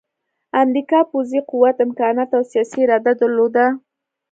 امریکا پوځي قوت، امکانات او سیاسي اراده درلوده